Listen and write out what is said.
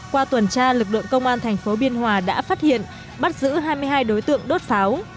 qua tuần tra lực lượng công an tp bnh đã phát hiện bắt giữ hai mươi hai đối tượng đốt pháo